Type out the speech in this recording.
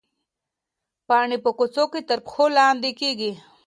پاڼې په کوڅو کې تر پښو لاندې کېږي.